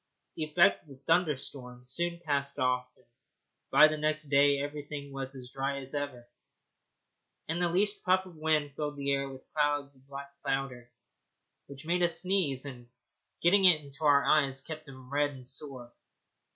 The effect of the thunderstorm soon passed off, and by the next day everything was as dry as ever, and the least puff of wind filled the air with clouds of black powder which made us sneeze, and, getting into our eyes, kept them red and sore.